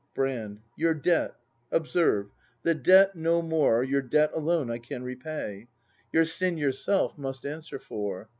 Brand Your debt. Observe. The debt: no more Your debt alone I can repay; Your sin yourself must answer for.